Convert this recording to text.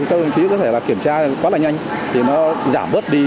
thì các đồng chí có thể kiểm tra quá là nhanh thì nó giảm bớt đi